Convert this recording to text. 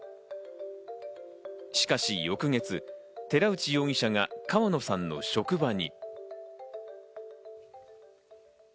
しかし翌月、寺内容疑者が川野さんの職場に。